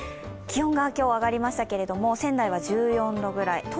気温が今日、上がりましたけれども仙台は１４度ぐらい。